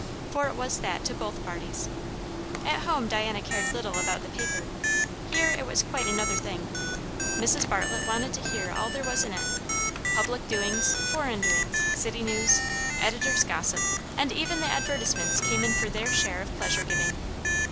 For it was that to both parties. At home Diana cared little about the paper; here it was quite another thing. Mrs. Bartlett wanted to hear all there was in it; public doings, foreign doings, city news, editor's gossip; and even the advertisements came in for their share of pleasure giving.